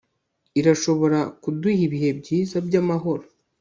irashobora kuduha ibihe byiza byamahoro